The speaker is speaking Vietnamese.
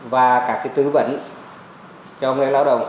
và các cái tư vấn cho người lao động